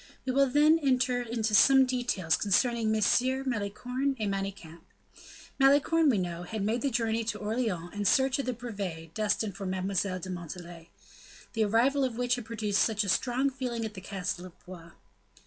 We will then enter into some details concerning Messieurs Malicorne and Manicamp. Malicorne, we know, had made the journey to Orleans in search of the brevet destined for Mademoiselle de Montalais, the arrival of which had produced such a strong feeling at the castle of Blois.